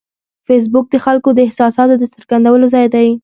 فېسبوک د خلکو د احساساتو د څرګندولو ځای دی